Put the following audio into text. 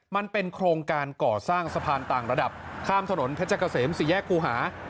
มันเป็นโครงการก่อสร้างสะพานต่างระดับข้ามถนนเพชรเกษมสี่แยกครูหา